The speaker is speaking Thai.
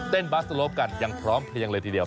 เต้นบาสโลปกันยังพร้อมเพียงเลยทีเดียว